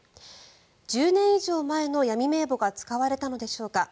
１０年以上前の闇名簿が使われたのでしょうか。